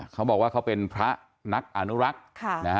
เขาบอกว่าเขาเป็นพระนักอนุรักษ์